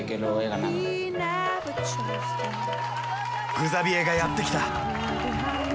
グザビエがやって来た。